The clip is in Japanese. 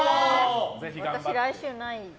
私、来週ない。